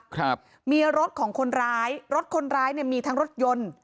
ครับมีรถของคนร้ายรถคนร้ายเนี่ยมีทั้งรถยนต์